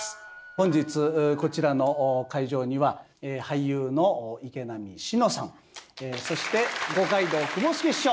本日こちらの会場には俳優の池波志乃さんそして五街道雲助師匠。